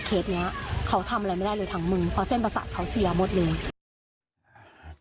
เพราะเส้นประสัตว์เค้าเสียหมดเลย